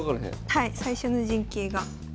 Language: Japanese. はい最初の陣形が。